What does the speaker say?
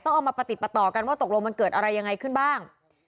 เอามาประติดประต่อกันว่าตกลงมันเกิดอะไรยังไงขึ้นบ้าง